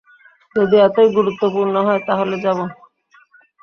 যদি এতোই গুরুত্বপূর্ণ হয়, তাহলে যাবো।